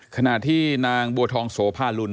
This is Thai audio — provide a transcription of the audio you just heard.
ขณะที่นางบัวทองโสภาลุล